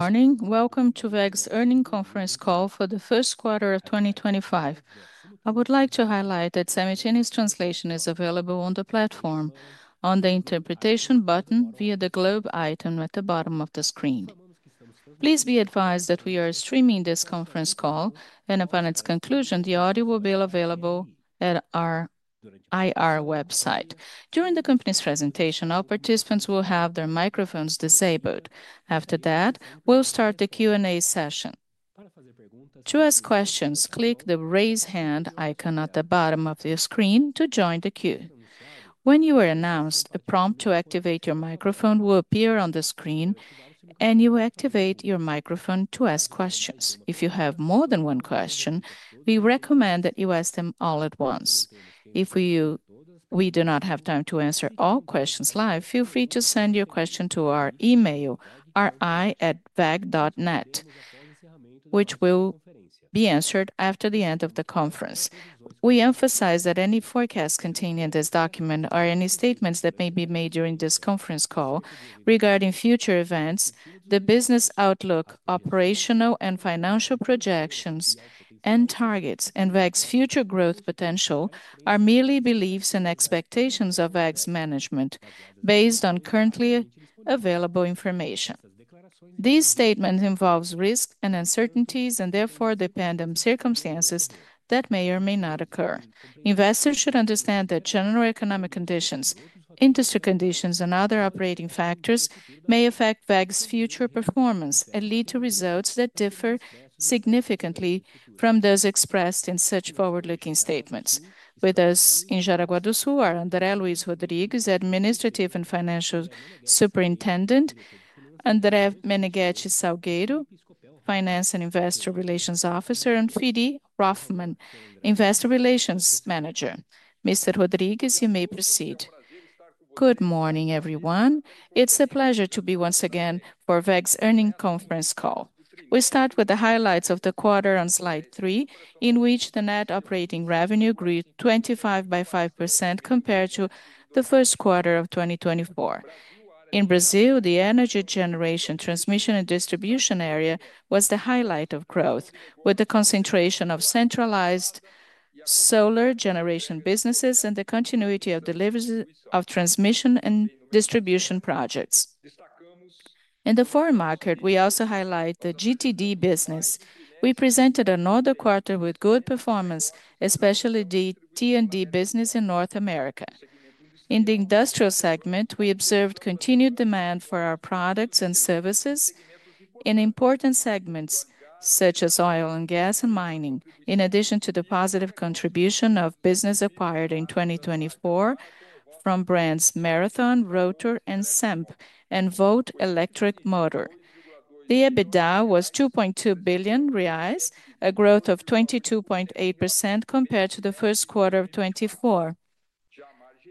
Morning, welcome to WEG's Earning Conference Call for the Q1 of 2025. I would like to highlight that simultaneous translation is available on the platform, on the interpretation button via the globe icon at the bottom of the screen. Please be advised that we are streaming this conference call, and upon its conclusion, the audio will be available at our IR website. During the company's presentation, all participants will have their microphones disabled. After that, we'll start the Q&A session. To ask questions, click the raise hand icon at the bottom of the screen to join the queue. When you are announced, a prompt to activate your microphone will appear on the screen, and you will activate your microphone to ask questions, If you have more than one question, we recommend that you ask them all at once. If we do not have time to answer all questions live, feel free to send your question to our email, ri@weg.net, which will be answered after the end of the conference. We emphasize that any forecasts contained in this document or any statements that may be made during this conference call regarding future events, the business outlook, operational and financial projections, and targets, and WEG's future growth potential are merely beliefs and expectations of WEG's management based on currently available information. These statements involve risks and uncertainties and therefore depend on circumstances that may or may not occur. Investors should understand that general economic conditions, industry conditions, and other operating factors may affect WEG's future performance and lead to results that differ significantly from those expressed in such forward-looking statements. With us in Jaraguá do Sul are André Luiz Rodrigues, Administrative and Financial Superintendent; André Menegueti Salgueiro, Finance and Investor Relations Officer; and Felipe Hoffmann, Investor Relations Manager. Mr. Rodrigues, you may proceed. Good morning, everyone. It's a pleasure to be once again for WEG's earning conference call. We start with the highlights of the quarter on slide three, in which the net operating revenue grew 25% by 5% compared to the Q1 of 2024. In Brazil, the energy generation, transmission, and distribution area was the highlight of growth, with the concentration of centralized solar generation businesses and the continuity of deliveries of transmission and distribution projects. In the foreign market, we also highlight the GTD business. We presented another quarter with good performance, especially the T&D business in North America. In the industrial segment, we observed continued demand for our products and services in important segments such as oil and gas and mining, in addition to the positive contribution of business acquired in 2024 from brands Marathon, Rotor, and Cemp, and Volt Electric Motor. The EBITDA was 2.2 billion reais, a growth of 22.8% compared to the Q1 of 2024.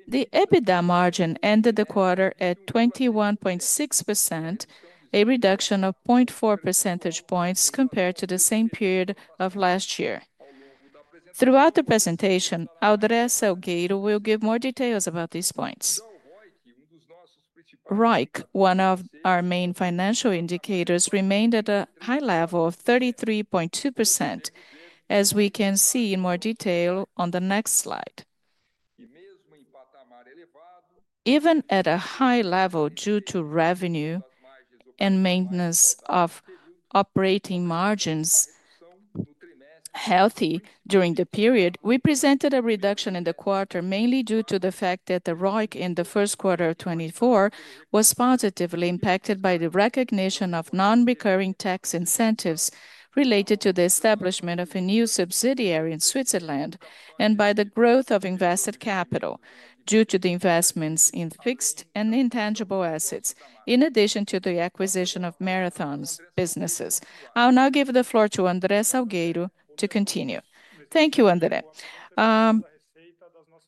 The EBITDA margin ended the quarter at 21.6%, a reduction of 0.4 percentage points compared to the same period of last year. Throughout the presentation, André Salgueiro will give more details about these points. ROIC, one of our main financial indicators, remained at a high level of 33.2%, as we can see in more detail on the next slide. Even at a high level due to revenue and maintenance of operating margins healthy during the period, we presented a reduction in the quarter mainly due to the fact that the ROIC in the Q1 of 2024 was positively impacted by the recognition of non-recurring tax incentives related to the establishment of a new subsidiary in Switzerland and by the growth of invested capital due to the investments in fixed and intangible assets, in addition to the acquisition of Marathon's businesses, I will now give the floor to André Salgueiro to continue. Thank you, André.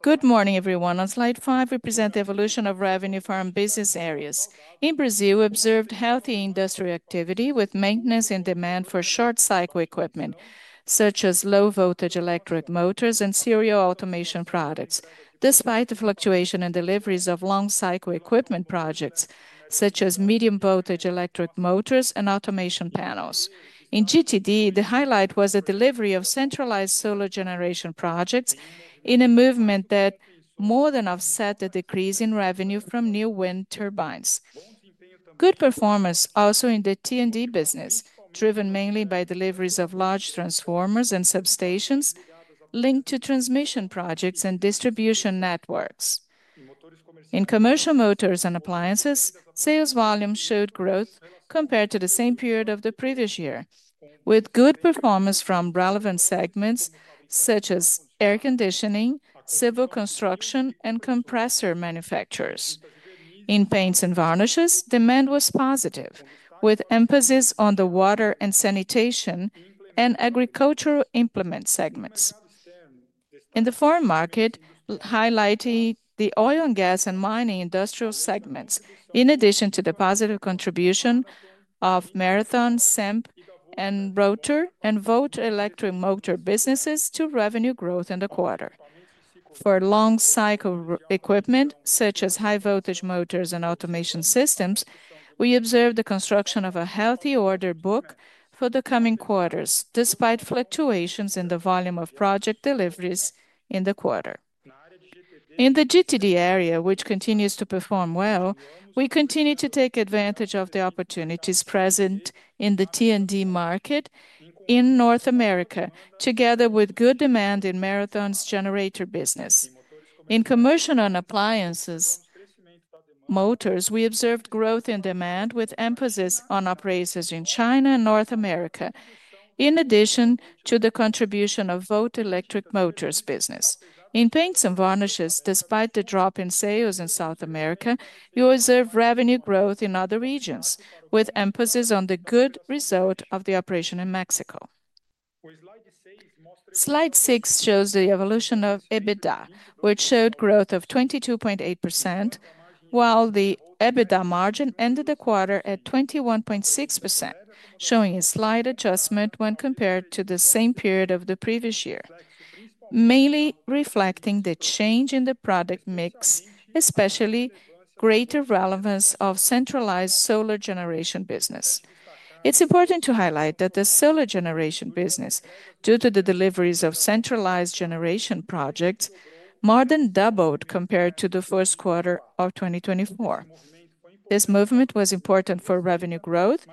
Good morning, everyone on slide five, we present the evolution of revenue from business areas. In Brazil, we observed healthy industry activity with maintenance and demand for short-cycle equipment, such as low-voltage electric motors and serial automation products, despite the fluctuation in deliveries of long-cycle equipment projects, such as medium-voltage electric motors and automation panels. In GTD, the highlight was the delivery of centralized solar generation projects in a movement that more than offset the decrease in revenue from new wind turbines. Good performance also in the T&D business, driven mainly by deliveries of large transformers and substations linked to transmission projects and distribution networks. In commercial motors and appliances, sales volumes showed growth compared to the same period of the previous year, with good performance from relevant segments such as air conditioning, civil construction, and compressor manufacturers. In paints and varnishes, demand was positive, with emphasis on the water and sanitation and agricultural implement segments. In the foreign market, highlighting the oil and gas and mining industrial segments, in addition to the positive contribution of Marathon, Cemp, Rotor, and Volt Electric Motor businesses to revenue growth in the quarter. For long-cycle equipment, such as high-voltage motors and automation systems, we observed the construction of a healthy order book for the coming quarters, despite fluctuations in the volume of project deliveries in the quarter. In the GTD area, which continues to perform well, we continue to take advantage of the opportunities present in the T&D market in North America, together with good demand in Marathon's generator business. In commercial and appliances motors, we observed growth in demand, with emphasis on operations in China and North America, in addition to the contribution of Volt Electric Motor business, In paints and varnishes, despite the drop in sales in South America, you observe revenue growth in other regions, with emphasis on the good result of the operation in Mexico. Slide six shows the evolution of EBITDA, which showed growth of 22.8%, while the EBITDA margin ended the quarter at 21.6%, showing a slight adjustment when compared to the same period of the previous year, mainly reflecting the change in the product mix, especially greater relevance of centralized solar generation business. It's important to highlight that the solar generation business, due to the deliveries of centralized generation projects, more than doubled compared to the Q1 of 2024. This movement was important for revenue growth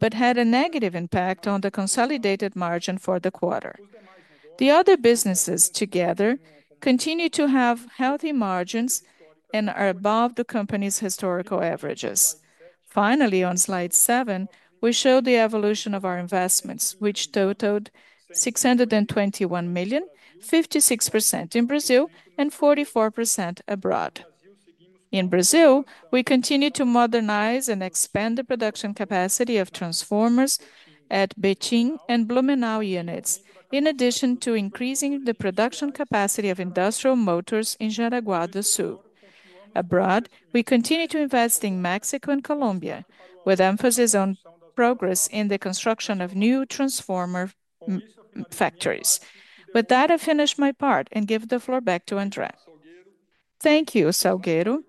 but had a negative impact on the consolidated margin for the quarter. The other businesses together continue to have healthy margins and are above the company's historical averages. Finally, on slide seven, we show the evolution of our investments, which totaled 621 million, 56% in Brazil and 44% abroad. In Brazil, we continue to modernize and expand the production capacity of transformers at Blumenau units, in addition to increasing the production capacity of industrial motors in Jaraguá do Sul. Abroad, we continue to invest in Mexico and Colombia, with emphasis on progress in the construction of new transformer factories. With that, I finish my part and give the floor back to André. Thank you, Salgueiro.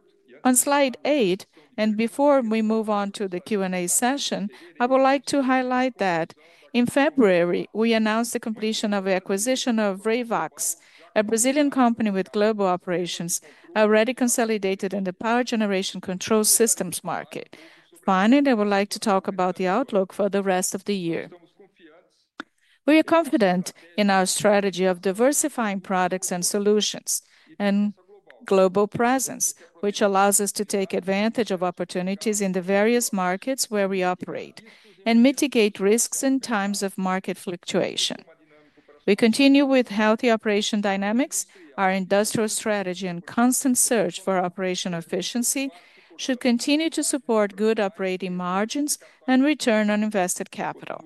On slide eight, and before we move on to the Q&A session, I would like to highlight that in February, we announced the completion of the acquisition of REIVAX, a Brazilian company with global operations already consolidated in the power generation control systems market. Finally, I would like to talk about the outlook for the rest of the year. We are confident in our strategy of diversifying products and solutions and global presence, which allows us to take advantage of opportunities in the various markets where we operate and mitigate risks in times of market fluctuation. We continue with healthy operation dynamics. Our industrial strategy and constant search for operation efficiency should continue to support good operating margins and return on invested capital.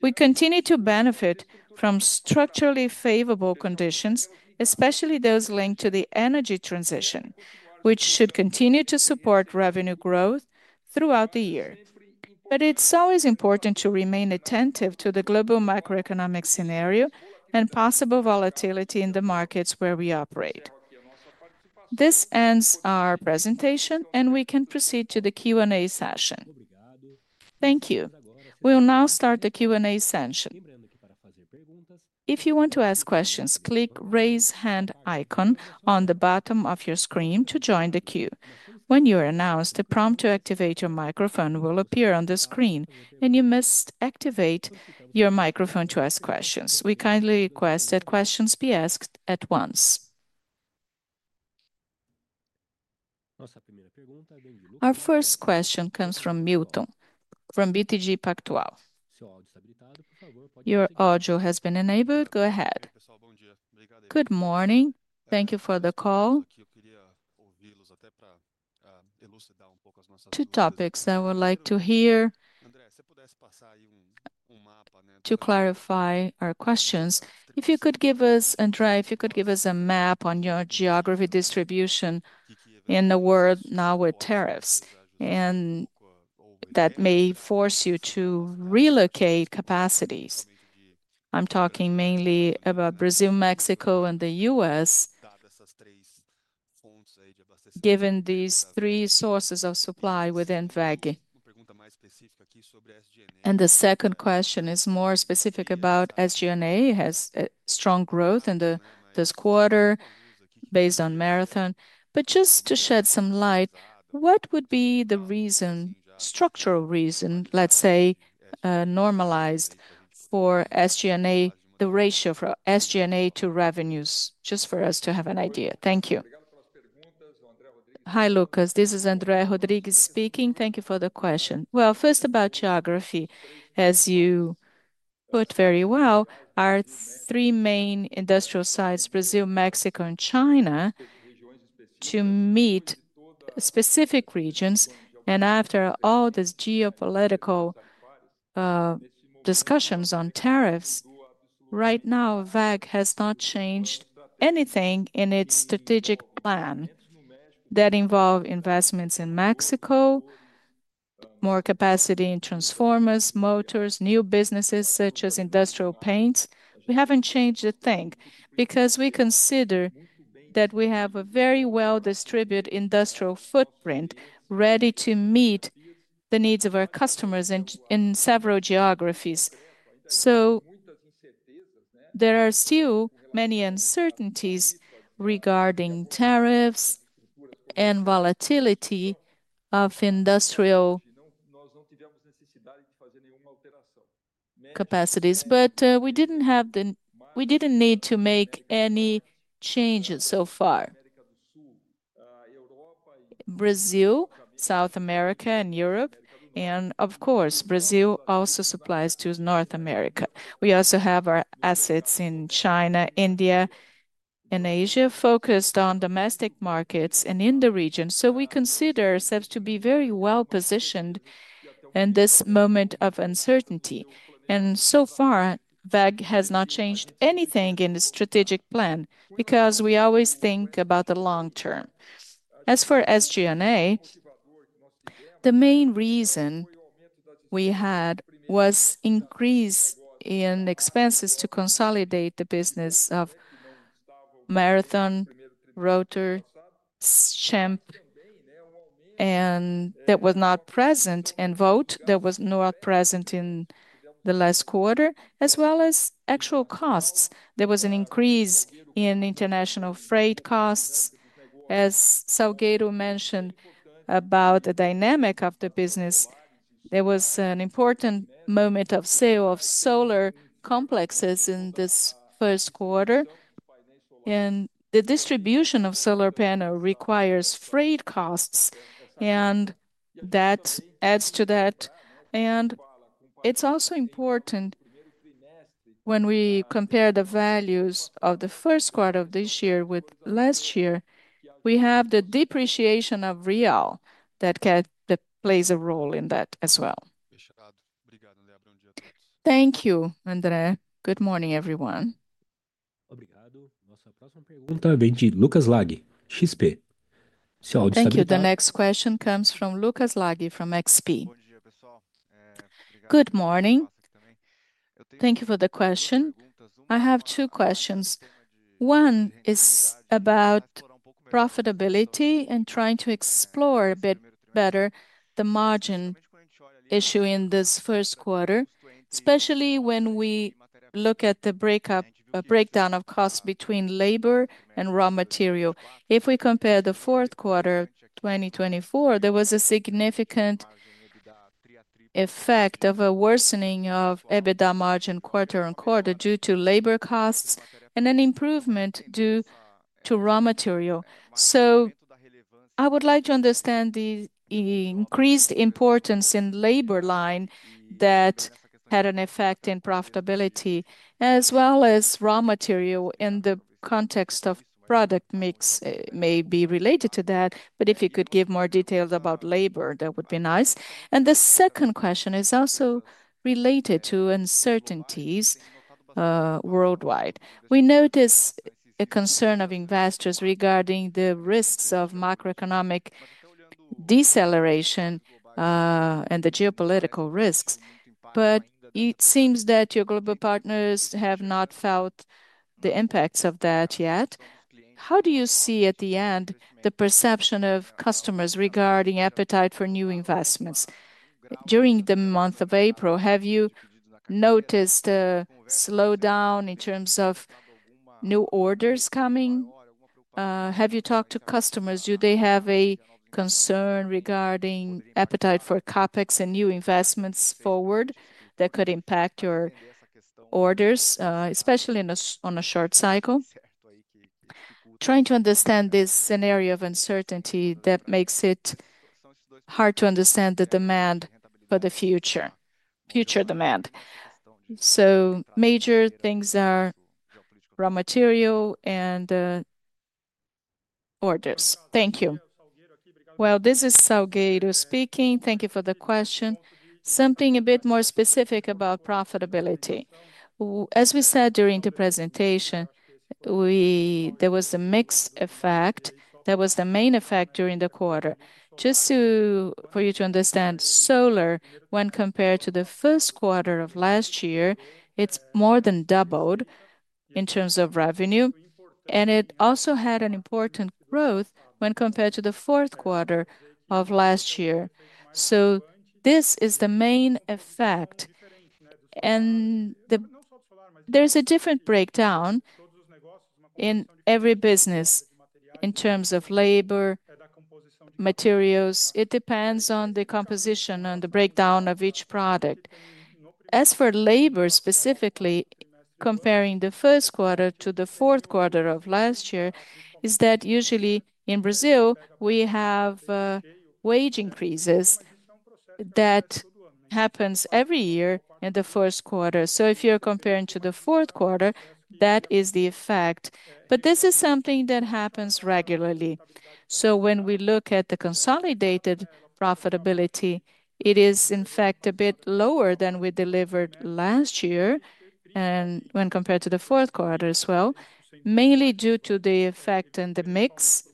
We continue to benefit from structurally favorable conditions, especially those linked to the energy transition, which should continue to support revenue growth throughout the year. It is always important to remain attentive to the global macroeconomic scenario and possible volatility in the markets where we operate. This ends our presentation, and we can proceed to the Q&A session. Thank you. We'll now start the Q&A session. If you want to ask questions, click the raise hand icon on the bottom of your screen to join the queue when you are announced, a prompt to activate your microphone will appear on the screen, and you must activate your microphone to ask questions we kindly request that questions be asked at once. Our first question comes from Milton, from BTG Pactual. Your audio has been enabled. Go ahead. Good morning. Thank you for the call. Two topics I would like to hear to clarify our questions. If you could give us, André, if you could give us a map on your geography distribution in the world now with tariffs, and that may force you to relocate capacities. I am talking mainly about Brazil, Mexico, and the US, given these three sources of supply within WEG. The second question is more specific about SG&A. It has strong growth in this quarter based on Marathon. Just to shed some light, what would be the reason, structural reason, let's say, normalized for SG&A, the ratio for SG&A to revenues, just for us to have an idea? Thank you. Hi, Lucas. This is André Rodrigues speaking, Thank you for the question first about geography, as you put very well, our three main industrial sites, Brazil, Mexico, and China, to meet specific regions. After all these geopolitical discussions on tariffs, right now, WEG has not changed anything in its strategic plan that involves investments in Mexico, more capacity in transformers, motors, new businesses such as industrial paints, We have not changed a thing because we consider that we have a very well-distributed industrial footprint ready to meet the needs of our customers in several geographies. There are still many uncertainties regarding tariffs and volatility of industrial capacities. We did not have the, we did not need to make any changes so far. Brazil, South America, and Europe. Of course, Brazil also supplies to North America. We also have our assets in China, India, and Asia focused on domestic markets and in the region we consider ourselves to be very well positioned in this moment of uncertainty. So far, WEG has not changed anything in the strategic plan because we always think about the long term. As for SG&A, the main reason we had was an increase in expenses to consolidate the business of Marathon, Rotor, Semp, and that was not present in Volt. That was not present in the last quarter, as well as actual costs. There was an increase in international freight costs. As Salgueiro mentioned about the dynamic of the business, there was an important moment of sale of solar complexes in this Q1. The distribution of solar panels requires freight costs, and that adds to that. It is also important when we compare the values of the Q1 of this year with last year, we have the depreciation of real that plays a role in that as well. Thank you, André. Good morning, everyone. Obrigado. Nossa próxima pergunta vem de Lucas Laghi, XP. Thank you. The next question comes from Lucas Laghi from XP. Good morning. Thank you for the question. I have two questions. One is about profitability and trying to explore a bit better the margin issue in this Q1, especially when we look at the breakdown of costs between labor and raw material. If we compare the fourth quarter of 2024, there was a significant effect of a worsening of EBITDA margin quarter on quarter due to labor costs and an improvement due to raw material. I would like to understand the increased importance in labor line that had an effect in profitability, as well as raw material in the context of product mix may be related to that. If you could give more details about labor, that would be nice. The second question is also related to uncertainties worldwide. We notice a concern of investors regarding the risks of macroeconomic deceleration and the geopolitical risks. It seems that your global partners have not felt the impacts of that yet. How do you see at the end the perception of customers regarding appetite for new investments during the month of April? Have you noticed a slowdown in terms of new orders coming? Have you talked to customers? Do they have a concern regarding appetite for CapEx and new investments forward that could impact your orders, especially on a short cycle? Trying to understand this scenario of uncertainty that makes it hard to understand the demand for the future, future demand. Major things are raw material and orders thank you. This is Salgueiro speaking. Thank you for the question. Something a bit more specific about profitability. As we said during the presentation, there was a mixed effect. That was the main effect during the quarter. Just for you to understand, solar, when compared to the Q1 of last year, it's more than doubled in terms of revenue. It also had an important growth when compared to the fourth quarter of last year. This is the main effect. There is a different breakdown in every business in terms of labor, materials. It depends on the composition and the breakdown of each product. As for labor specifically, comparing the Q1 to the fourth quarter of last year is that usually in Brazil, we have wage increases that happen every year in the Q1. If you are comparing to the fourth quarter, that is the effect. This is something that happens regularly. When we look at the consolidated profitability, it is in fact a bit lower than we delivered last year when compared to the fourth quarter as well, mainly due to the effect in the mix,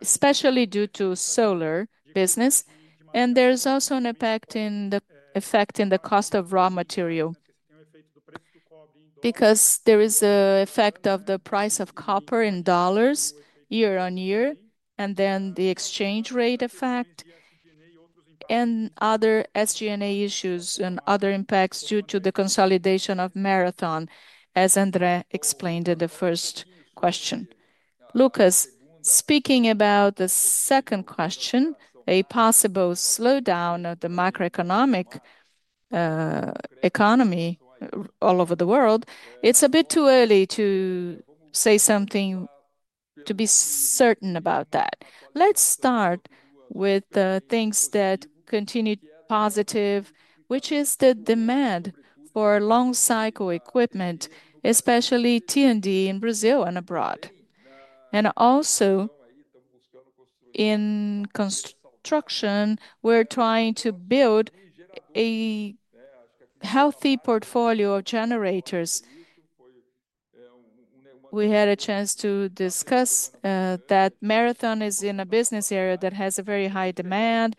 especially due to solar business. There is also an effect in the cost of raw material because there is an effect of the price of copper in dollars year on year, and then the exchange rate effect and other SG&A issues and other impacts due to the consolidation of Marathon, as André explained in the first question. Lucas, speaking about the second question, a possible slowdown of the macroeconomic economy all over the world, it's a bit too early to say something to be certain about that. Let's start with the things that continue positive, which is the demand for long-cycle equipment, especially T&D in Brazil and abroad. Also in construction, we're trying to build a healthy portfolio of generators. We had a chance to discuss that Marathon is in a business area that has a very high demand.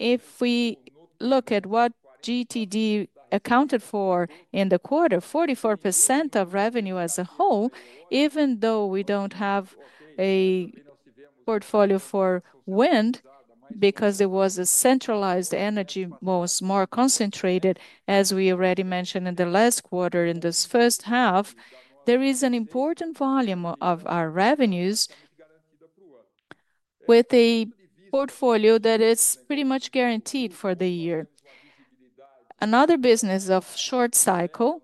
If we look at what GTD accounted for in the quarter, 44% of revenue as a whole, even though we do not have a portfolio for wind because it was a centralized energy, it was more concentrated, as we already mentioned in the last quarter in this first half, there is an important volume of our revenues with a portfolio that is pretty much guaranteed for the year. Another business of short cycle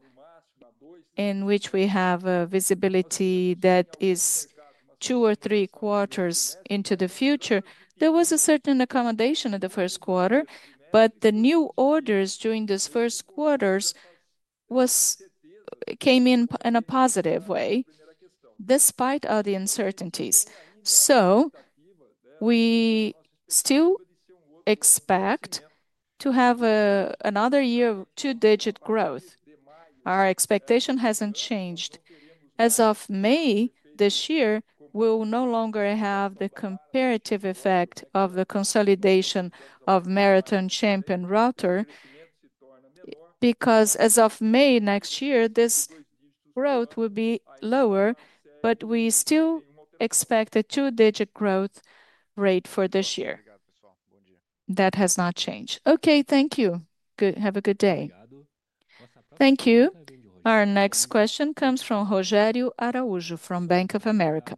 in which we have a visibility that is two or three quarters into the future, There was a certain accommodation in the Q1, but the new orders during this Q1 came in in a positive way despite all the uncertainties. We still expect to have another year of two-digit growth. Our expectation has not changed. As of May this year, we'll no longer have the comparative effect of the consolidation of Marathon, Cemp, and Rotor because as of May next year, this growth will be lower, but we still expect a two-digit growth rate for this year. That has not changed. Okay, thank you. Good. Have a good day. Thank you. Our next question comes from Rogério Araújo from Bank of America.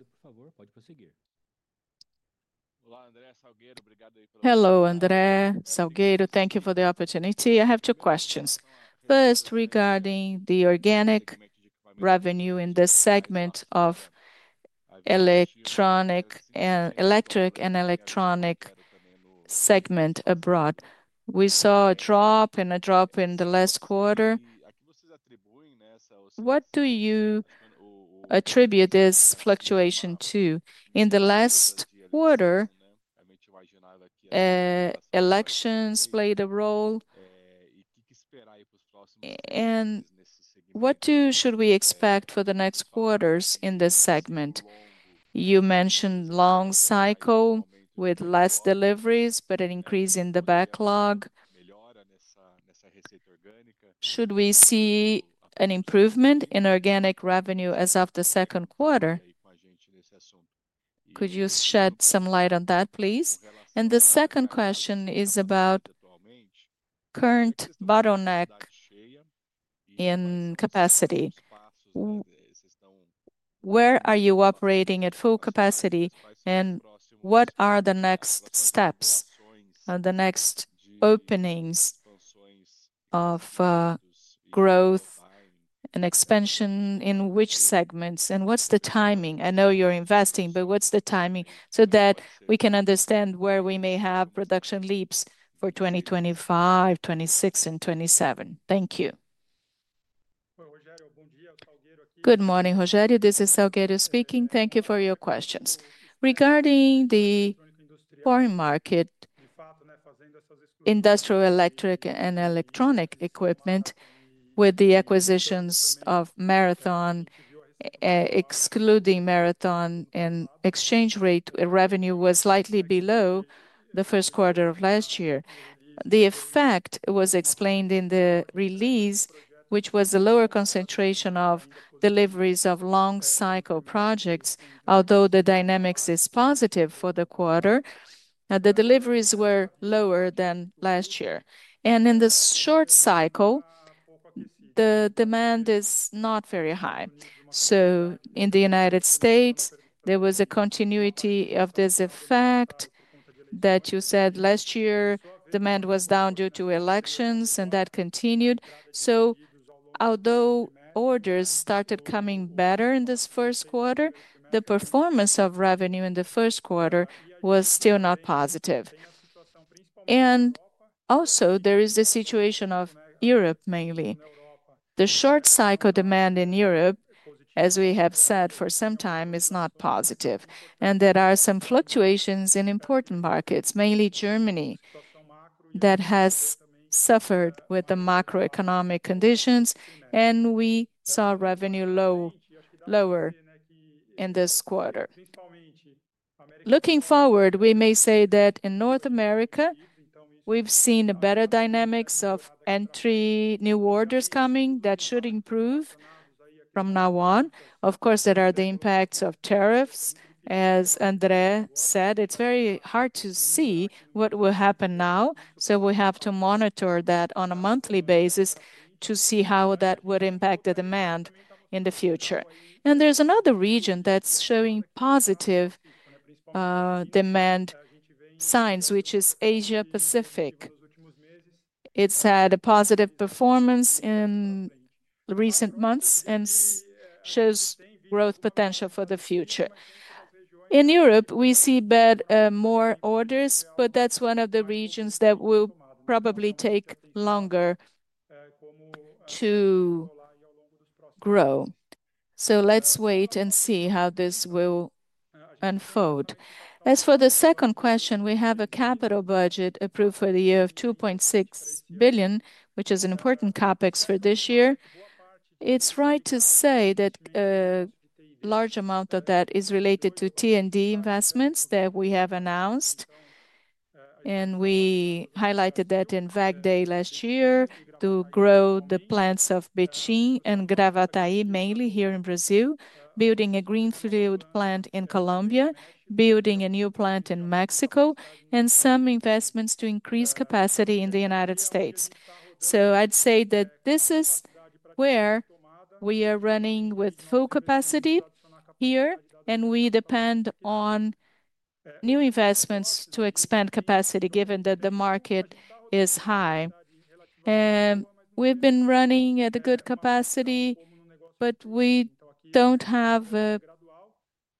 Olá, André Salgueiro. Hello, André Salgueiro. Thank you for the opportunity. I have two questions. First, regarding the organic revenue in the segment of electric and electronic segment abroad. We saw a drop and a drop in the last quarter. What do you attribute this fluctuation to? In the last quarter, elections played a role. What should we expect for the next quarters in this segment? You mentioned long cycle with less deliveries, but an increase in the backlog. Should we see an improvement in organic revenue as of the Q2? Could you shed some light on that, please? The second question is about current bottleneck in capacity. Where are you operating at full capacity? What are the next steps, the next openings of growth and expansion in which segments? What's the timing? I know you're investing, but what's the timing so that we can understand where we may have production leaps for 2025, 2026, and 2027? Thank you. Good morning, Rogério this is Salgueiro speaking thank you for your questions. Regarding the foreign market, industrial electric and electronic equipment, with the acquisitions of Marathon, excluding Marathon, and exchange rate revenue was slightly below the Q1 of last year. The effect was explained in the release, which was a lower concentration of deliveries of long-cycle projects, although the dynamics is positive for the quarter. The deliveries were lower than last year. In the short cycle, the demand is not very high. In the United States, there was a continuity of this effect that you said last year demand was down due to elections and that continued. Although orders started coming better in this Q1, the performance of revenue in the Q1 was still not positive. There is also the situation of Europe mainly. The short cycle demand in Europe, as we have said for some time, is not positive. There are some fluctuations in important markets, mainly Germany, that has suffered with the macroeconomic conditions, and we saw revenue lower in this quarter. Looking forward, we may say that in North America, we've seen better dynamics of entry, new orders coming that should improve from now on. Of course, there are the impacts of tariffs, as André said. It's very hard to see what will happen now. We have to monitor that on a monthly basis to see how that would impact the demand in the future. There is another region that's showing positive demand signs, which is Asia-Pacific. It's had a positive performance in recent months and shows growth potential for the future. In Europe, we see more orders, but that's one of the regions that will probably take longer to grow. Let's wait and see how this will unfold. As for the second question, we have a capital budget approved for the year of 2.6 billion, which is an important CapEx for this year. Is right to say that a large amount of that is related to T&D investments that we have announced. We highlighted that in WEG Day last year to grow the plants of Blumenau and Gravataí, mainly here in Brazil, building a greenfield plant in Colombia, building a new plant in Mexico, and some investments to increase capacity in the United States. I would say that this is where we are running with full capacity here. We depend on new investments to expand capacity, given that the market is high. We have been running at a good capacity, but we do not have a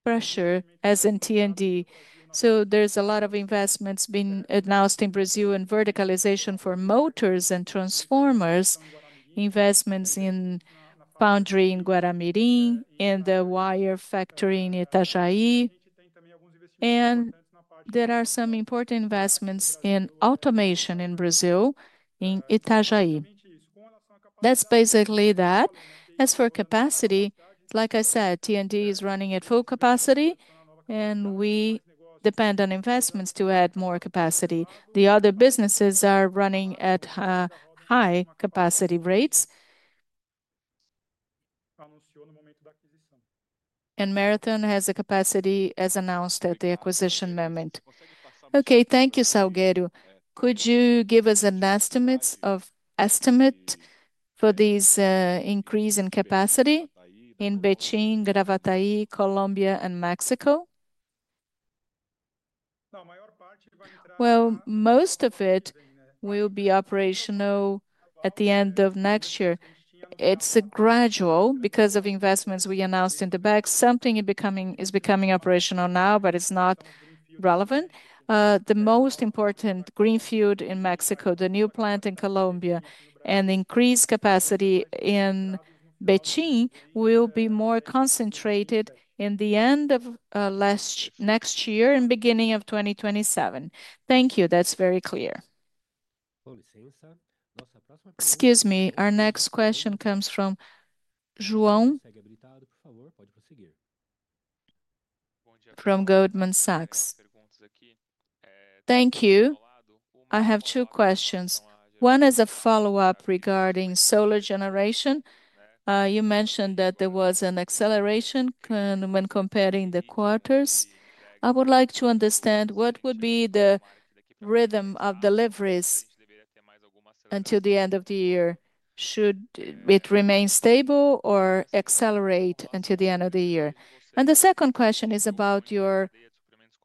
pressure as in T&D. There are a lot of investments being announced in Brazil in verticalization for motors and transformers, investments in foundry in Guaramirim, in the wire factory in Itajaí. There are some important investments in automation in Brazil, in Itajaí. That is basically that. As for capacity, like I said, T&D is running at full capacity, and we depend on investments to add more capacity. The other businesses are running at high capacity rates. Marathon has a capacity as announced at the acquisition moment. Thank you, Salgueiro. Could you give us an estimate for this increase in capacity in Beijing, Gravataí, Colombia, and Mexico? Most of it will be operational at the end of next year. It is gradual because of investments we announced in the back. Something is becoming operational now, but it is not relevant. The most important greenfield in Mexico, the new plant in Colombia, and increased capacity in Beijing will be more concentrated in the end of next year and beginning of 2027. Thank you that is very clear. Excuse me, our next question comes from João. Bom dia. From Goldman Sachs. Thank you. I have two questions. One is a follow-up regarding solar generation. You mentioned that there was an acceleration when comparing the quarters. I would like to understand what would be the rhythm of deliveries until the end of the year. Should it remain stable or accelerate until the end of the year? The second question is about your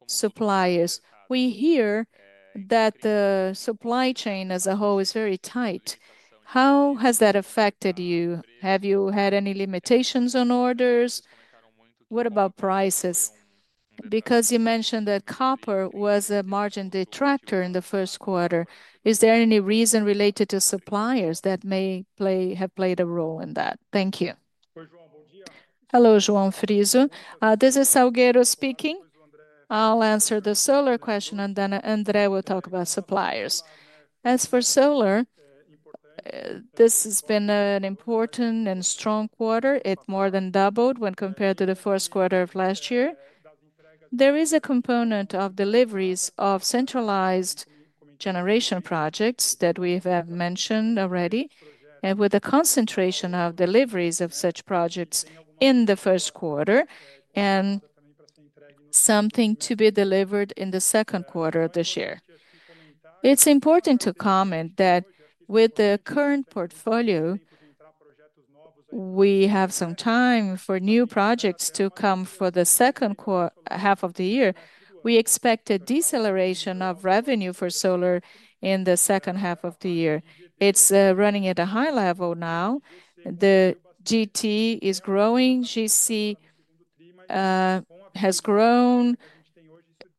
suppliers. We hear that the supply chain as a whole is very tight. How has that affected you? Have you had any limitations on orders? What about prices? Because you mentioned that copper was a margin detractor in the Q1. Is there any reason related to suppliers that may have played a role in that? Thank you. Hello, João Frizo. This is Salgueiro speaking. I'll answer the solar question, and then André will talk about suppliers. As for solar, this has been an important and strong quarter. It more than doubled when compared to the Q1 of last year. There is a component of deliveries of centralized generation projects that we have mentioned already, and with a concentration of deliveries of such projects in the Q1 and something to be delivered in the Q2 of this year. It's important to comment that with the current portfolio, we have some time for new projects to come for the second half of the year. We expect a deceleration of revenue for solar in the second half of the year. It's running at a high level now. The GT is growing. GC has grown.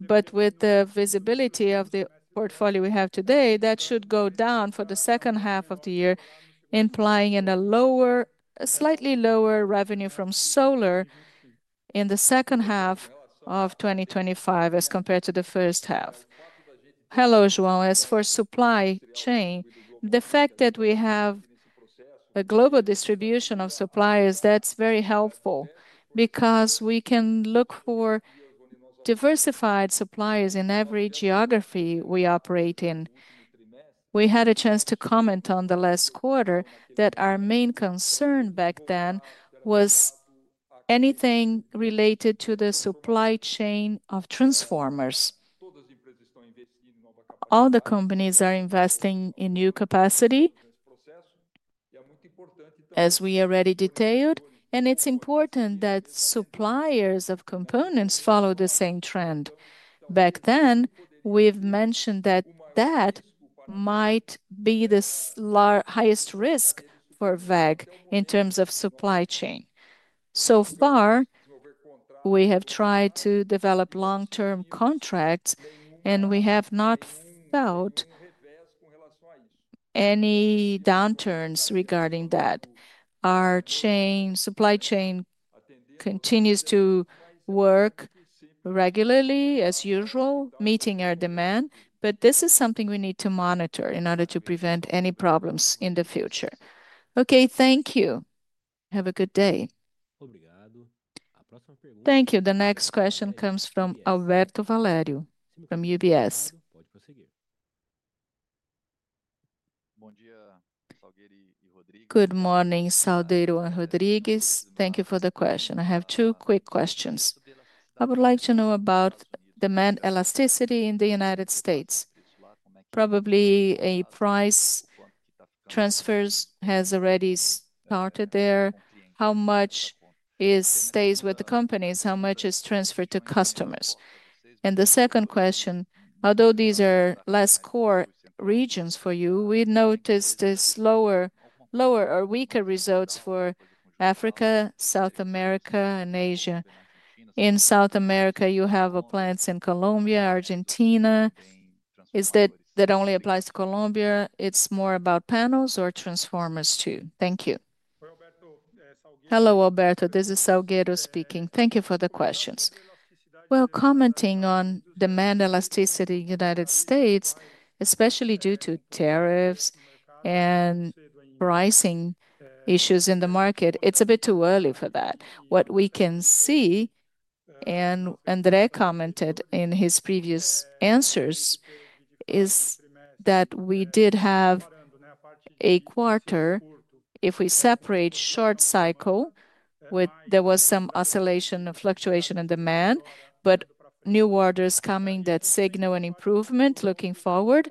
With the visibility of the portfolio we have today, that should go down for the second half of the year, implying a slightly lower revenue from solar in the second half of 2025 as compared to the first half. Hello, João. As for supply chain, the fact that we have a global distribution of suppliers, that's very helpful because we can look for diversified suppliers in every geography we operate in. We had a chance to comment on the last quarter that our main concern back then was anything related to the supply chain of transformers. All the companies are investing in new capacity, as we already detailed, and it's important that suppliers of components follow the same trend. Back then, we've mentioned that that might be the highest risk for WEG in terms of supply chain. So far, we have tried to develop long-term contracts, and we have not felt any downturns regarding that. Our supply chain continues to work regularly as usual, meeting our demand, but this is something we need to monitor in order to prevent any problems in the future. Okay, thank you. Have a good day. Thank you. The next question comes from Alberto Valério from UBS. Bom dia, Salgueiro e Rodrigues. Good morning, Salgueiro and Rodrigues. Thank you for the question i have two quick questions. I would like to know about demand elasticity in the United States. Probably a price transfer has already started there. How much stays with the companies? How much is transferred to customers? The second question, although these are less core regions for you, we noticed lower or weaker results for Africa, South America, and Asia. In South America, you have plants in Colombia, Argentina. Is that only applies to Colombia? It's more about panels or transformers too? Thank you. Hello, Alberto. This is Salgueiro speaking thank you for the questions. Commenting on demand elasticity in the United States, especially due to tariffs and pricing issues in the market, it's a bit too early for that. What we can see, and André commented in his previous answers, is that we did have a quarter. If we separate short cycle, there was some oscillation and fluctuation in demand, but new orders coming that signal an improvement looking forward.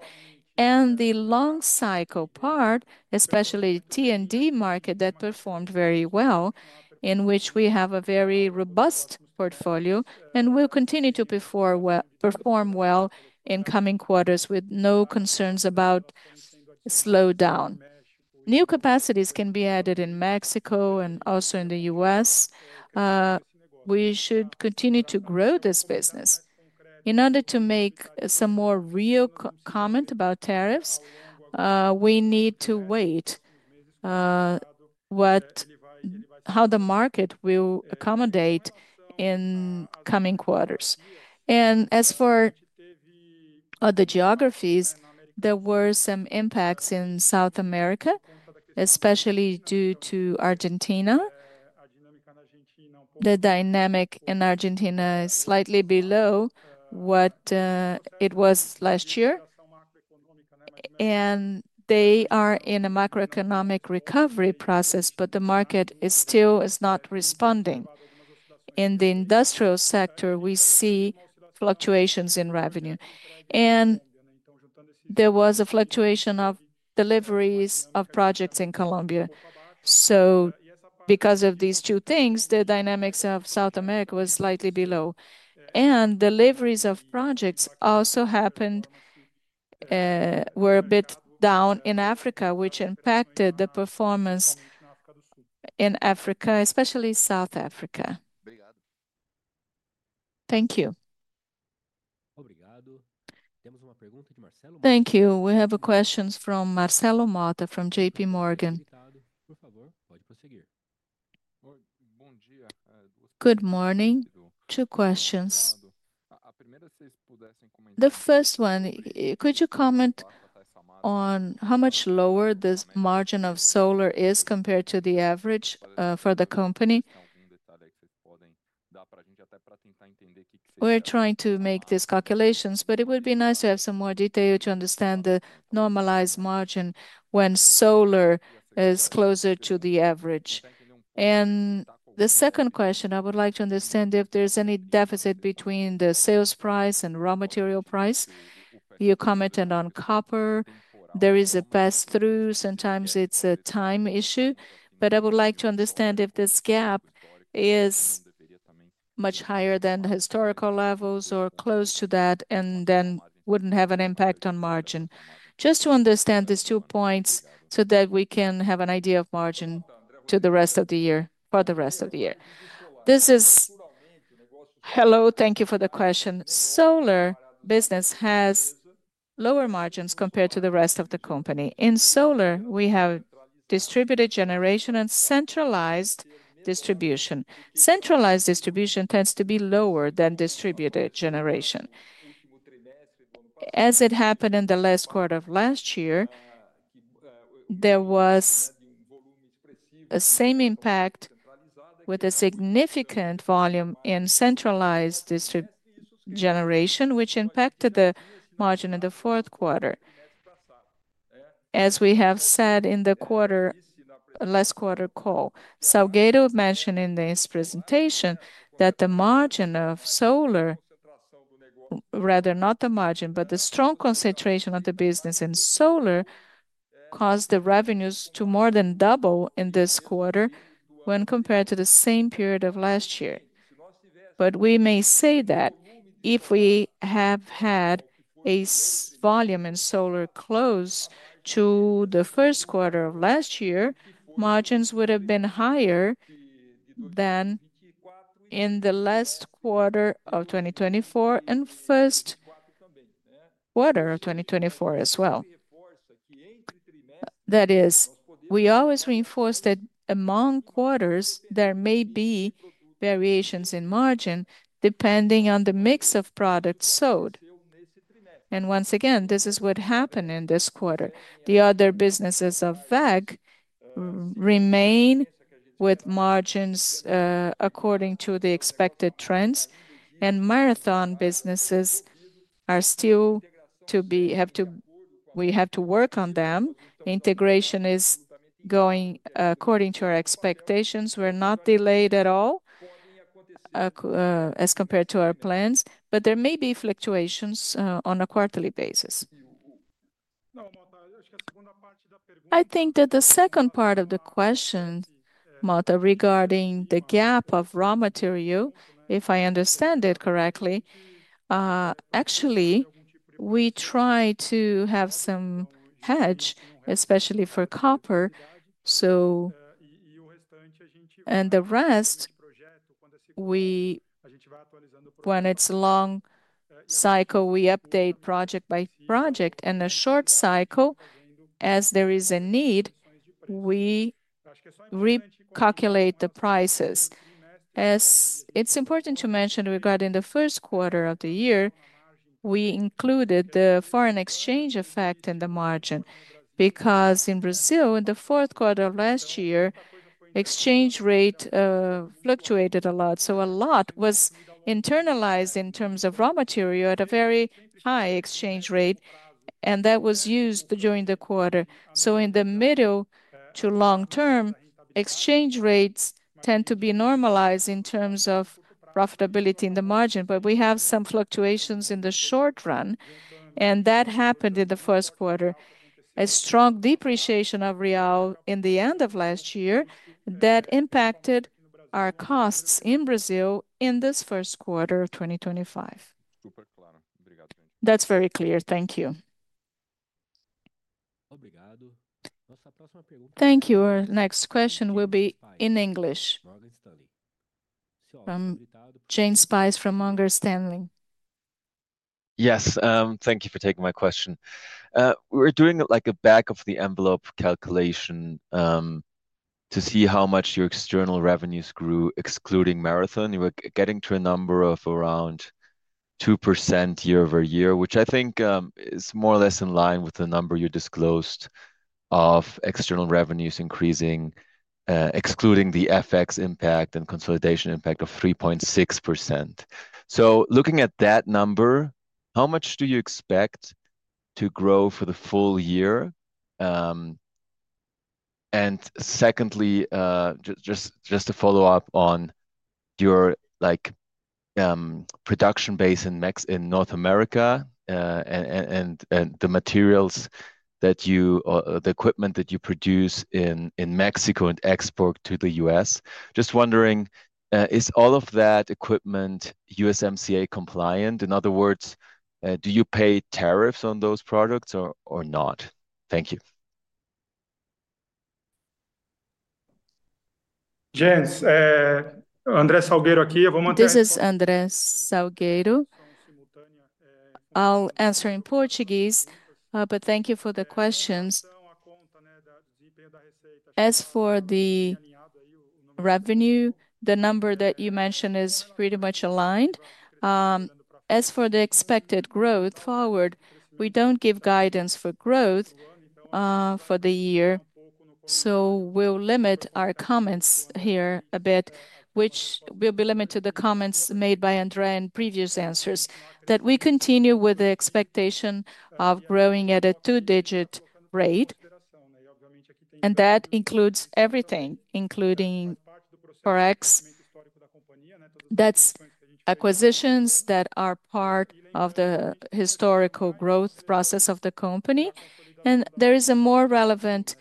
The long cycle part, especially T&D market, that performed very well, in which we have a very robust portfolio and will continue to perform well in coming quarters with no concerns about slowdown. New capacities can be added in Mexico and also in the US. We should continue to grow this business. In order to make some more real comment about tariffs, we need to wait how the market will accommodate in coming quarters. As for other geographies, there were some impacts in South America, especially due to Argentina. The dynamic in Argentina is slightly below what it was last year. They are in a macroeconomic recovery process, but the market still is not responding. In the industrial sector, we see fluctuations in revenue. There was a fluctuation of deliveries of projects in Colombia. Because of these two things, the dynamics of South America were slightly below. Deliveries of projects also were a bit down in Africa, which impacted the performance in Africa, especially South Africa. Thank you. Obrigado. Temos uma pergunta de Marcelo Mota. Thank you we have a question from Marcelo Motta from JPMorgan. Good morning. Two questions. The first one, could you comment on how much lower this margin of solar is compared to the average for the company? We're trying to make these calculations, but it would be nice to have some more detail to understand the normalized margin when solar is closer to the average. The second question, I would like to understand if there's any deficit between the sales price and raw material price. You commented on copper. There is a pass-through sometimes it's a time issue. I would like to understand if this gap is much higher than historical levels or close to that, and then wouldn't have an impact on margin. Just to understand these two points so that we can have an idea of margin to the rest of the year, for the rest of the year. This is Hello, thank you for the question, Solar business has lower margins compared to the rest of the company. In solar, we have distributed generation and centralized distribution. Centralized distribution tends to be lower than distributed generation. As it happened in the last quarter of last year, there was the same impact with a significant volume in centralized distribution generation, which impacted the margin in the fourth quarter. As we have said in the last quarter call, Salgueiro mentioned in this presentation that the margin of solar, rather not the margin, but the strong concentration of the business in solar caused the revenues to more than double in this quarter when compared to the same period of last year. We may say that if we have had a volume in solar close to the Q1 of last year, margins would have been higher than in the last quarter of 2024 and Q1 of 2024 as well. That is, we always reinforce that among quarters, there may be variations in margin depending on the mix of products sold. Once again, this is what happened in this quarter. The other businesses of WEG remain with margins according to the expected trends, and Marathon businesses are still to be—we have to work on them. Integration is going according to our expectations. We're not delayed at all as compared to our plans, but there may be fluctuations on a quarterly basis. I think that the second part of the question, Motta, regarding the gap of raw material, if I understand it correctly, actually we try to have some hedge, especially for copper. The rest, when it's a long cycle, we update project by project. In a short cycle, as there is a need, we recalculate the prices. As it's important to mention, regarding the Q1 of the year, we included the foreign exchange effect in the margin because in Brazil, in the fourth quarter of last year, the exchange rate fluctuated a lot. A lot was internalized in terms of raw material at a very high exchange rate, and that was used during the quarter. In the middle to long term, exchange rates tend to be normalized in terms of profitability in the margin, but we have some fluctuations in the short run, and that happened in the Q1. A strong depreciation of real in the end of last year impacted our costs in Brazil in this Q1 of 2025. That's very clear. Thank you. Obrigado. Thank you. Our next question will be in English. James Pace from Morgan Stanley. Yes, thank you for taking my question. We're doing like a back-of-the-envelope calculation to see how much your external revenues grew, excluding Marathon. You were getting to a number of around 2% year over year, which I think is more or less in line with the number you disclosed of external revenues increasing, excluding the FX impact and consolidation impact of 3.6%. Looking at that number, how much do you expect to grow for the full year? Secondly, just to follow up on your production base in North America and the materials that you—the equipment that you produce in Mexico and export to the US—just wondering, is all of that equipment USMCA compliant? In other words, do you pay tariffs on those products or not? Thank you. Jens, André Salgueiro aqui. This is André Salgueiro. I'll answer in Portuguese, but thank you for the questions. As for the revenue, the number that you mentioned is pretty much aligned. As for the expected growth forward, we do not give guidance for growth for the year, so we will limit our comments here a bit, which will be limited to the comments made by André in previous answers, that we continue with the expectation of growing at a two-digit rate. That includes everything, including Forex, that is acquisitions that are part of the historical growth process of the company. There is a more relevant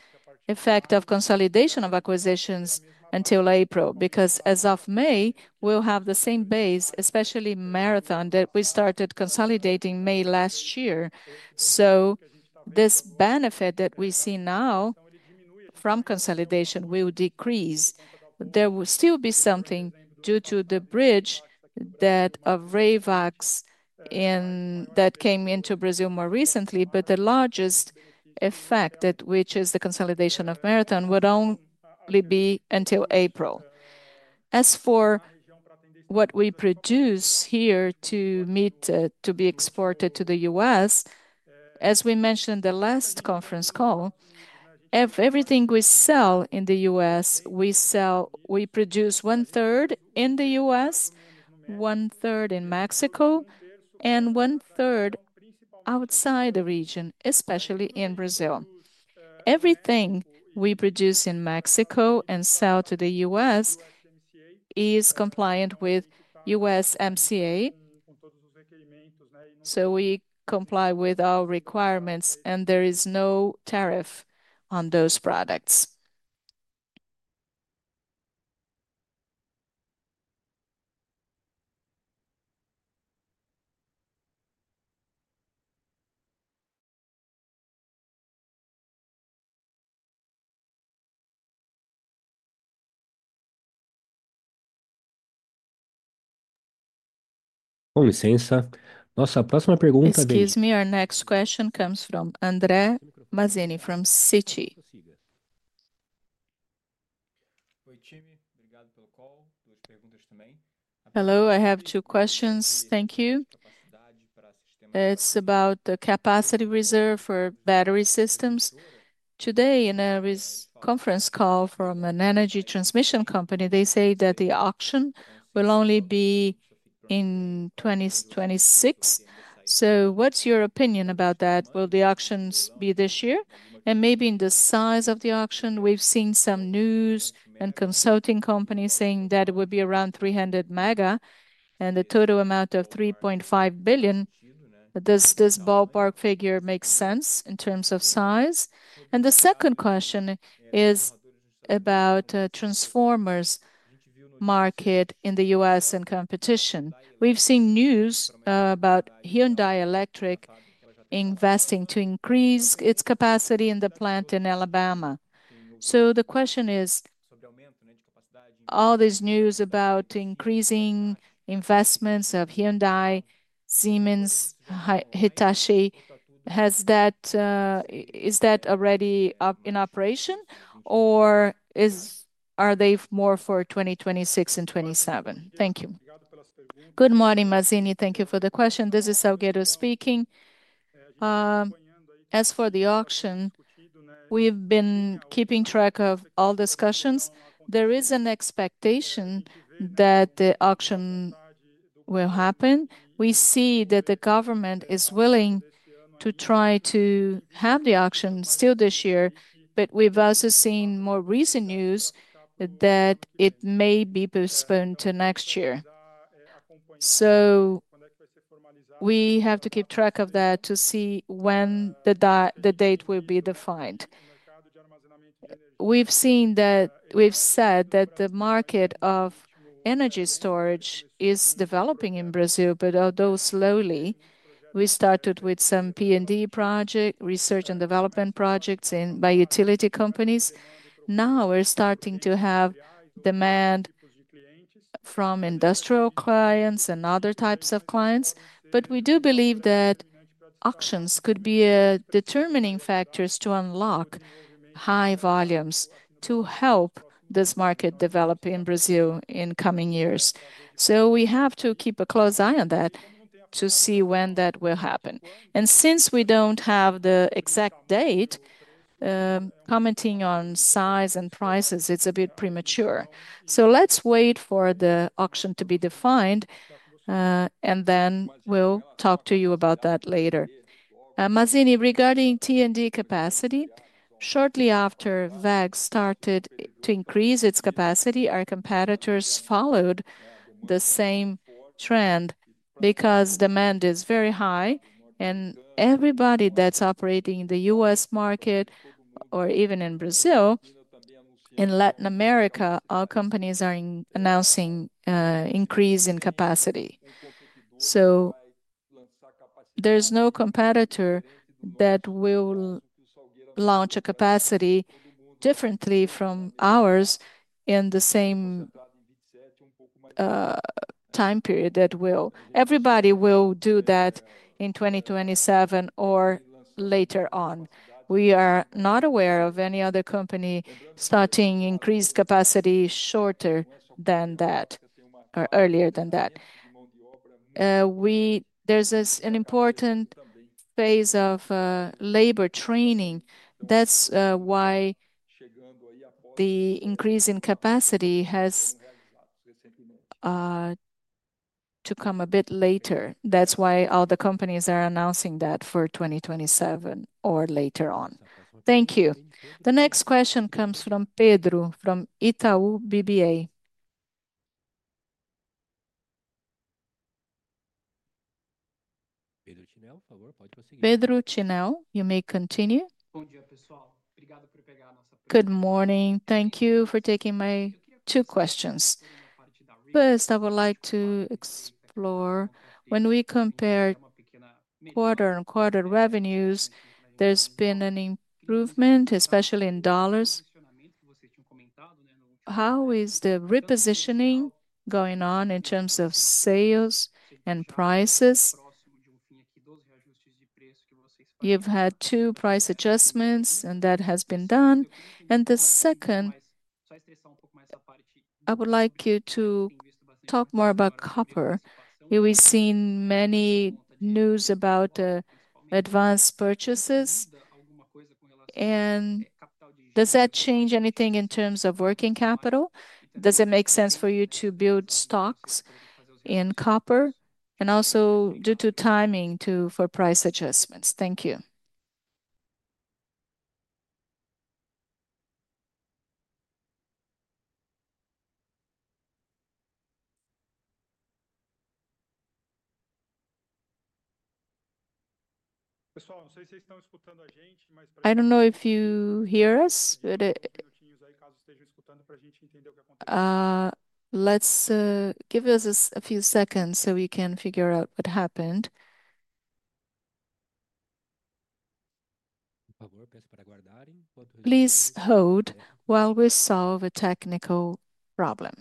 effect of consolidation of acquisitions until April because as of May, we will have the same base, especially Marathon, that we started consolidating May last year, This benefit that we see now from consolidation will decrease. There will still be something due to the bridge that of REIVAX that came into Brazil more recently, but the largest effect, which is the consolidation of Marathon, would only be until April. As for what we produce here to be exported to the U.S., as we mentioned in the last conference call, everything we sell in the U.S., we produce one-third in the U.S., one-third in Mexico, and one-third outside the region, especially in Brazil. Everything we produce in Mexico and sell to the U.S. is compliant with USMCA, so we comply with our requirements, and there is no tariff on those products. Com licença. Nossa próxima pergunta de. Excuse me, our next question comes from André Mazini from Citi. Oi, time, obrigado pelo call. Duas perguntas também. Hello, I have two questions thank you. It's about the capacity reserve for battery systems. Today, in a conference call from an energy transmission company, they say that the auction will only be in 2026. What is your opinion about that? Will the auctions be this year? Maybe in the size of the auction, we have seen some news and consulting companies saying that it would be around 300 mega, and the total amount of 3.5 billion. Does this ballpark figure make sense in terms of size? The second question is about the transformers market in the U.S. and competition. We have seen news about Hyundai Electric investing to increase its capacity in the plant in Alabama. The question is, all this news about increasing investments of Hyundai, Siemens, Hitachi, is that already in operation, or are they more for 2026 and 2027? Thank you. Good morning, Mazini thank you for the question. This is Salgueiro speaking. As for the auction, we've been keeping track of all discussions. There is an expectation that the auction will happen. We see that the government is willing to try to have the auction still this year, but we've also seen more recent news that it may be postponed to next year. We have to keep track of that to see when the date will be defined. We've seen that we've said that the market of energy storage is developing in Brazil, but although slowly, we started with some P&D projects, research and development projects by utility companies. Now we're starting to have demand from industrial clients and other types of clients, but we do believe that auctions could be a determining factor to unlock high volumes to help this market develop in Brazil in coming years. We have to keep a close eye on that to see when that will happen. Since we do not have the exact date, commenting on size and prices is a bit premature. Let's wait for the auction to be defined, and then we will talk to you about that later. Mazini, regarding T&D capacity, shortly after WEG started to increase its capacity, our competitors followed the same trend because demand is very high, and everybody that is operating in the U.S. market or even in Brazil, in Latin America, companies are announcing an increase in capacity. There is no competitor that will launch a capacity differently from ours in the same time period. Everybody will do that in 2027 or later on, We are not aware of any other company starting increased capacity shorter than that or earlier than that. There is an important phase of labor training, That's why the increase in capacity has to come a bit later that's why all the companies are announcing that for 2027 or later on. Thank you. The next question comes from Pedro from Itaú BBA. Pedro Schneider, por favor, pode prosseguir. Pedro Schneider, you may continue. Bom dia, pessoal. Obrigado por pegar a nossa pergunta. Good morning thank you for taking my two questions. First, I would like to explore, when we compare quarter-on-quarter revenues, there's been an improvement, especially in dollars. How is the repositioning going on in terms of sales and prices? You've had two price adjustments, and that has been done. The second, I would like you to talk more about copper. We've seen many news about advanced purchases, and does that change anything in terms of working capital? Does it make sense for you to build stocks in copper? Also, due to timing for price adjustments, thank you. Pessoal, não sei se vocês estão escutando a gente, mas... I don't know if you hear us, but... Aí, caso estejam escutando, para a gente entender o que aconteceu. Let's give us a few seconds so we can figure out what happened. Por favor, peço para aguardarem. Please hold while we solve a technical problem.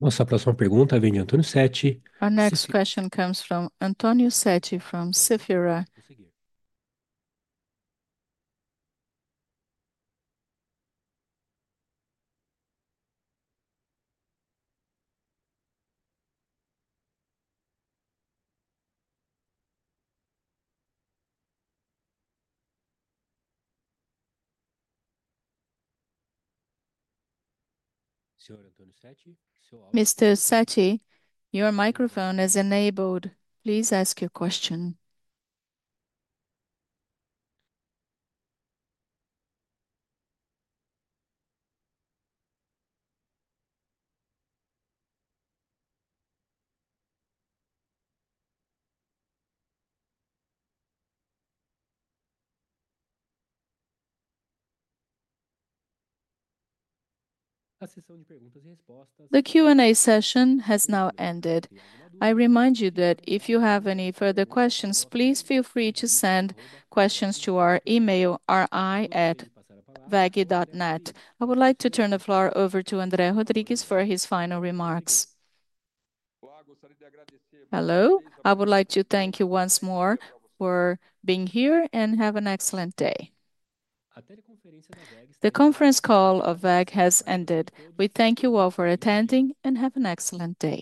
Nossa próxima pergunta vem de Antônio Setti. Our next question comes from Antônio Setti from SAFRA. Prosseguir. Senhor Antônio Setti, seu áudio. Mr. Setti, your microphone is enabled. Please ask your question. A sessão de perguntas e respostas. The Q&A session has now ended. I remind you that if you have any further questions, please feel free to send questions to our email, ri@weg.net. I would like to turn the floor over to André Rodrigues for his final remarks. Olá, gostaria de agradecer. Hello. I would like to thank you once more for being here and have an excellent day. A conferência da WEG. The conference call of WEG has ended. We thank you all for attending and have an excellent day.